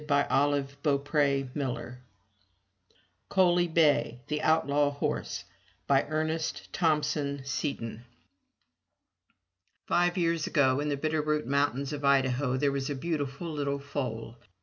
217 MY BOOK HOUSE COALY BAY, THE OUTLAW HORSE* Ernest Thompson Seton IVE years ago in the Bitterroot mountains of Idaho there was a beautiful little foal.